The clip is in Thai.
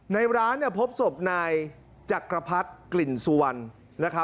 ในร้านพบศพนายจักรพรรดิกลิ่นสุวรรณ